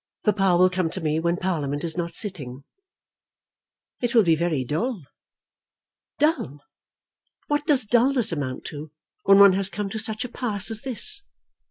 Papa will come to me when Parliament is not sitting." "It will be very dull." "Dull! What does dulness amount to when one has come to such a pass as this?